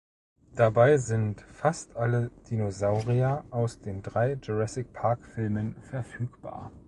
Dabei sind fast alle Dinosaurier aus den drei Jurassic-Park-Filmen verfügbar.